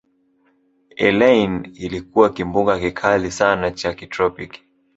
eline kilikuwa kimbunga kikali sana cha kitropiki